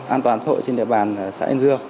an toàn xã hội trên địa bàn xã an dương